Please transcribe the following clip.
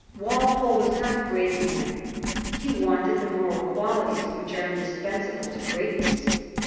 Walpole was not a great man. He wanted the moral qualities which are indispensable to greatness.